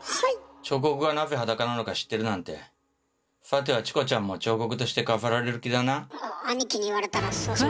彫刻がなぜ裸なのか知ってるなんてさてはチコちゃんもアニキに言われたらそうしまっせ。